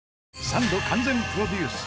サンド完全プロデュース！